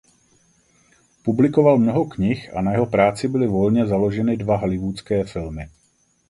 Publikoval mnoho knih a na jeho práci byly volně založeny dva Hollywoodské filmy.